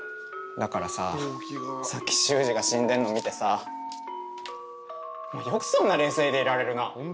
だからささっき秀司が死んでんの見てさお前よくそんな冷静でいられるな！